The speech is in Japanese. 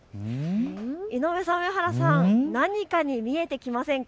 井上さん、上原さん何かに見えてきませんか？